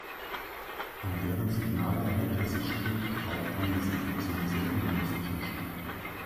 An deren Signale hält er sich strikt, auch wenn die Situation sehr ungünstig erscheint.